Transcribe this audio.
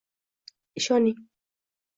ishoning